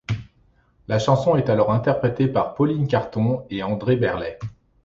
La chanson est alors interprétée par Pauline Carton et André Berley.